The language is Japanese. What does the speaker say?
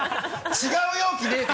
違う容器ねぇか？